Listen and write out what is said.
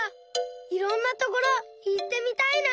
いろんなところいってみたいな！